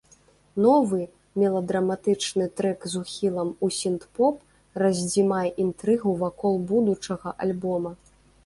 Новы меладраматычны трэк з ухілам у сінт-поп раздзімае інтрыгу вакол будучага альбома.